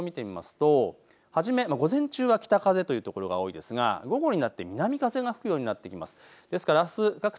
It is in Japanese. あすの風の予想を見てみますと初め午前中は北風というところが多いですが午後になって南風が吹くようになってきます。